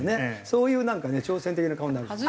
そういう挑戦的な顔になる。